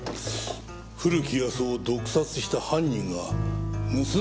古木保男を毒殺した犯人が盗んでいった可能性もあるな。